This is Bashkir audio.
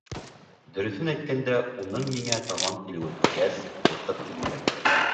Дөрөҫөн әйткәндә, уның миңә табан килеүен күргәс, ҡурҡып киттем.